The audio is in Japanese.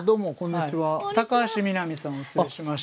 高橋みなみさんをお連れしました。